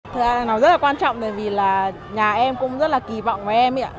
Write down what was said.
thật ra là nó rất là quan trọng bởi vì là nhà em cũng rất là kỳ vọng với em